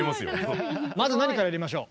まず何からやりましょう？